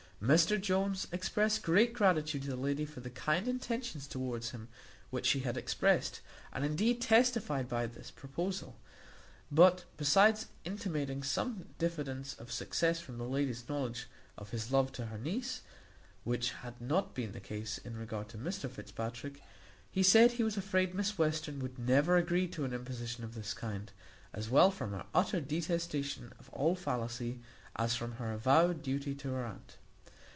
Mr Jones expressed great gratitude to the lady for the kind intentions towards him which she had expressed, and indeed testified, by this proposal; but, besides intimating some diffidence of success from the lady's knowledge of his love to her niece, which had not been her case in regard to Mr Fitzpatrick, he said, he was afraid Miss Western would never agree to an imposition of this kind, as well from her utter detestation of all fallacy as from her avowed duty to her aunt.